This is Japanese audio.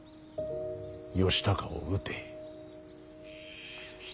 義高を討て。